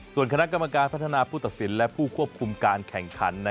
ส่วนคณะกรรมการพัฒนาผู้ตัดสินและผู้ควบคุมการแข่งขัน